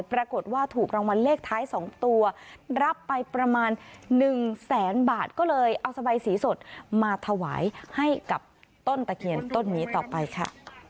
ปรากฏว่าถูกรางวัลเลขท้าย๒ตัวรับไปประมาณ๑แสนบาทก็เลยเอาสบายสีสดมาถวายให้กับต้นตะเคียนต้นนี้ต่อไปค่ะ